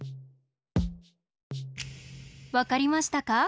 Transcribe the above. わかりましたか？